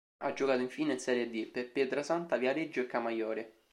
Ha giocato infine in Serie D per Pietrasanta, Viareggio e Camaiore.